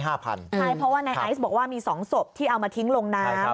ใช่เพราะว่าในไอซ์บอกว่ามี๒ศพที่เอามาทิ้งลงน้ำ